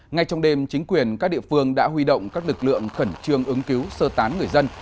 ngay trong đêm chính quyền các địa phương đã huy động các lực lượng khẩn trương ứng cứu sơ tán người dân